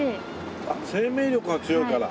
あっ生命力が強いから。